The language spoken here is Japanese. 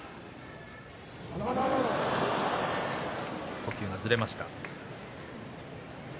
呼吸がずれました。